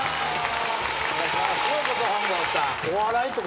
ようこそ本郷さん。